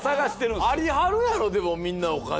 いやありはるやろでもみんなお金は。